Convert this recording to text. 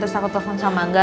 terus aku telepon sama enggak